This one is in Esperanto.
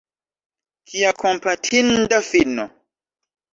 Kia kompatinda fino!